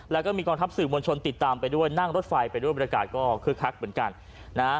แล้วก็มีกองทัพสื่อมวลชนติดตามไปด้วยนั่งรถไฟไปด้วยบรรยากาศก็คึกคักเหมือนกันนะฮะ